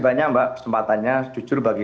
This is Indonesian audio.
banyak mbak kesempatannya jujur bagi